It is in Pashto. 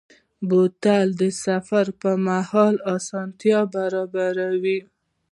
بوتل د سفر پر مهال آسانتیا برابروي.